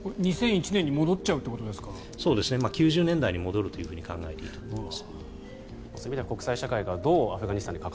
１９９０年代に戻ると考えていいと思います。